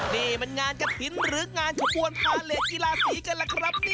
นี่มันงานกระถิ่นหรืองานขบวนพาเลสกีฬาสีกันล่ะครับ